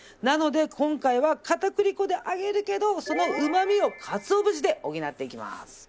なので今回は片栗粉で揚げるけどそのうまみをかつお節で補っていきます。